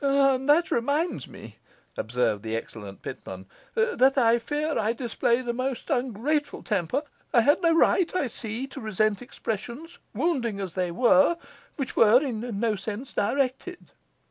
'And that reminds me,' observed the excellent Pitman, 'that I fear I displayed a most ungrateful temper. I had no right, I see, to resent expressions, wounding as they were, which were in no sense directed.